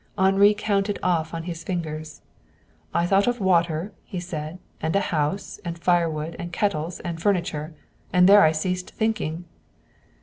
Henri counted off on his fingers. "I thought of water," he said, "and a house, and firewood, and kettles and furniture. And there I ceased thinking."